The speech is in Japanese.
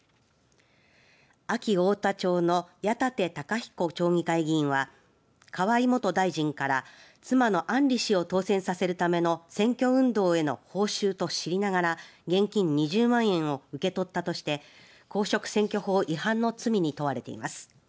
安芸太田町の矢立孝彦町議会議員は河井元大臣から妻の案里氏を当選させるための選挙運動への報酬と知りながら現金２０万円を受け取ったとして公職選挙法違反の罪に問われています。